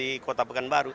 ini juga bagian